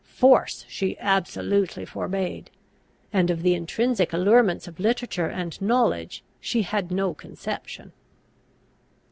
Force she absolutely forbade; and of the intrinsic allurements of literature and knowledge she had no conception.